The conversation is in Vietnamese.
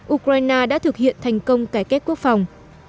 ukraine đã thực hiện thành công cải cách quốc phòng